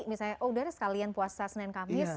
misalnya sekalian puasa senin kamis